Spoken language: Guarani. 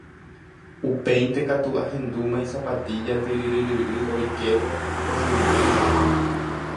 upéinte katu ahendúma isapatilla tyryryryry oikévo kosináme.